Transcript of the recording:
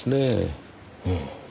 うん。